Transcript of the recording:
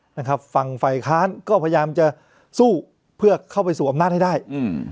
นะครับฝั่งฝ่ายค้านก็พยายามจะสู้เพื่อเข้าไปสู่อำนาจให้ได้อืม